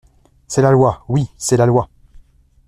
C’est la loi ! Oui c’est la loi.